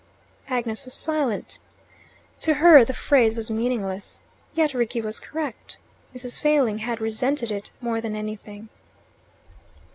Agnes was silent. To her the phrase was meaningless. Yet Rickie was correct: Mrs. Failing had resented it more than anything.